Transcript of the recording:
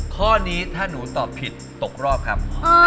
ข้อนี้ถ้าหนูตอบผิดตกรอบครับ